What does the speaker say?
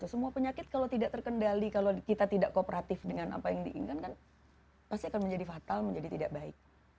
semua penyakit kalau tidak terkendali kalau kita tidak kooperatif dengan apa yang diinginkan pasti akan menjadi fatal menjadi tidak baik